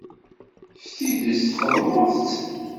S tidet txedmeḍ-tt?